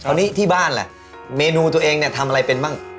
ตอนนี้ที่บ้านล่ะเมนูตัวเองเนี่ยทำอะไรเป็นบ้าง